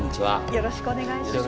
よろしくお願いします。